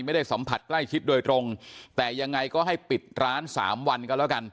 ไม่ได้สัมผัสใกล้ชิดโดยตรงแต่ยังไงก็ให้ปิดร้านสามวันก็แล้วกัน